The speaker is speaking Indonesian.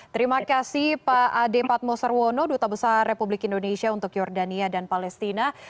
terima kasih pak adi padmoserwono duta besar republik indonesia untuk jordania dan palestina